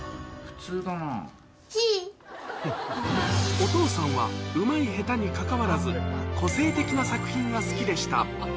お父さんは、うまい下手にかかわらず、個性的な作品が好きでした。